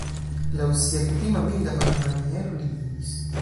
Laŭ sia kutima milda parolmaniero li diris: